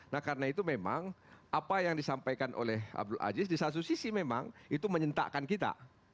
nah karena itu memang apa yang disampaikan oleh abdul aziz di satu sisi memang itu menyentakkan kita